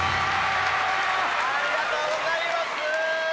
ありがとうございます。